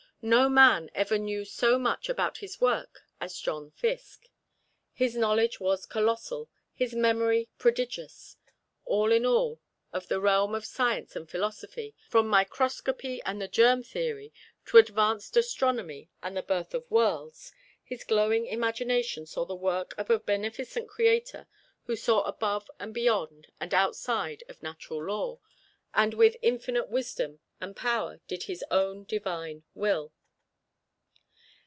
No man ever knew so much about his work as John Fiske. His knowledge was colossal, his memory prodigious. And in all of the realm of science and philosophy, from microscopy and the germ theory to advanced astronomy and the birth of worlds, his glowing imagination saw the work of a beneficent Creator who stood above and beyond and outside of Natural Law, and with Infinite Wisdom and Power did His own Divine Will.